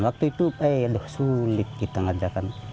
waktu itu eh aduh sulit kita ngerjakan